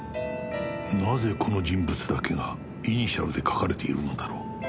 なぜこの人物だけがイニシャルで書かれているのだろう？